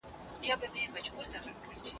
که مایک وي نو غږ نه ټیټیږي.